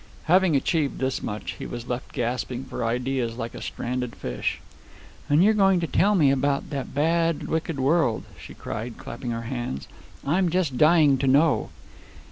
Having achieved this much, he was left gasping for ideas like a stranded fish. "And you're going to tell me about the bad, wicked world," she cried, clapping her hands. "I'm just dying to know."